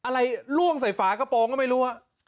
ล่วงใส่ฝากระโปรงก็ไม่รู้